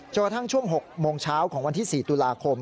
กระทั่งช่วง๖โมงเช้าของวันที่๔ตุลาคม